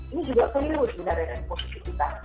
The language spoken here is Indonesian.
ini juga keliru sebenarnya dari posisi kita